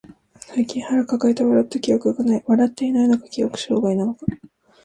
最近腹抱えて笑った記憶がない。笑っていないのか、記憶障害なのか。